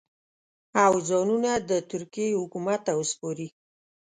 او ځانونه د ترکیې حکومت ته وسپاري.